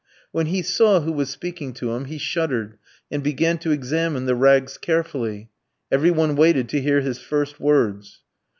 When he saw who was speaking to him he shuddered, and began to examine the rags carefully. Every one waited to hear his first words.